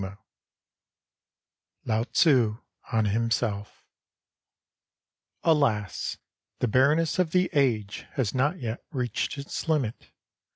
53 LAO TZU ON HIMSELF ALAS ! the barrenness of the age has not yet reached its limit.